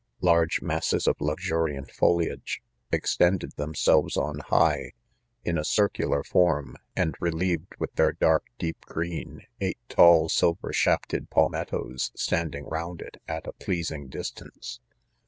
Large masses of luxuriant foliage, extended themselves on high, in a circular form ; and relieved with their dark deep green, eight tall silver shafted palmettos standing round it at a pleasing distance.